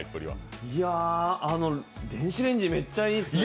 電子レンジめっちゃいいっすね。